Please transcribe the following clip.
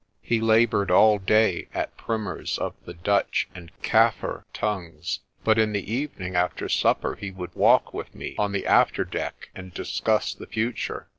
He laboured all day at primers of the Dutch and Kaffir tongues, but in the evening after supper he would walk with me on the after deck and discuss the future.